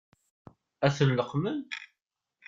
Ad ten-leqqment?